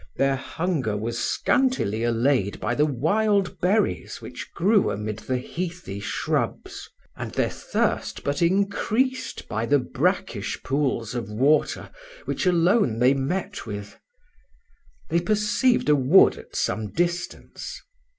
Their hunger was scantily allayed by the wild berries which grew amid the heathy shrubs; and their thirst but increased by the brackish pools of water which alone they met with. They perceived a wood at some distance.